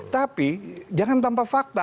tapi jangan tanpa fakta